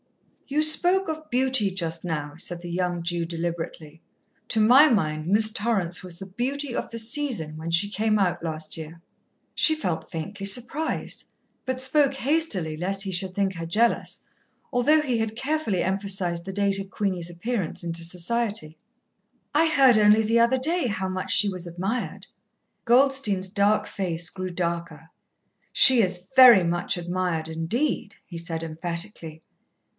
"You spoke of beauty just now," said the young Jew deliberately. "To my mind Miss Torrance was the beauty of the season, when she came out last year." She felt faintly surprised, but spoke hastily lest he should think her jealous, although he had carefully emphasized the date of Queenie's appearance into society. "I heard only the other day how much she was admired." Goldstein's dark face grew darker. "She is very much admired indeed," he said emphatically.